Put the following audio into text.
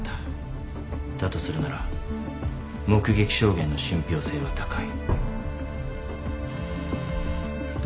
だとするなら目撃証言の信ぴょう性は高い。